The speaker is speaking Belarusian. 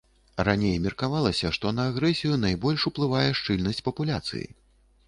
Раней меркавалася, што на агрэсію найбольш уплывае шчыльнасць папуляцыі.